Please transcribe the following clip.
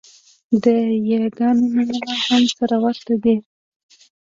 د یاګانو نومونه هم سره ورته دي